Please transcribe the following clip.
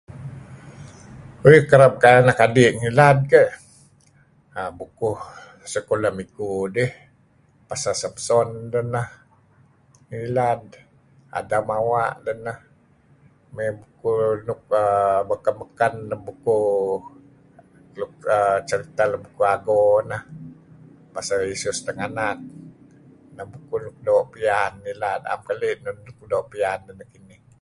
Uih kereb kail anak adi ngilad keh bukuh sekulah miggu dih pasal Samson deh neh ngilad, Adam Awa' deh neh mey bukuh nuk beken-beken kuh luk cerita lem Bukuh Ago neh pasal Yesus tinganak . Neh bukuh nuk doo' piyan ngilad.